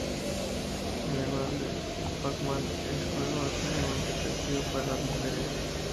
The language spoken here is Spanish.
Al igual que el "Pac-Man", este juego es especialmente atractivo para las mujeres.